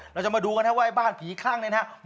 เราจะมาดูกันครับว่าบ้านผีคลั่งเนี่ยนะครับ